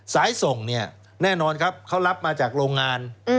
สายส่งเนี่ยแน่นอนครับเขารับมาจากโรงงาน